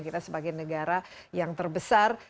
kita sebagai negara yang terbesar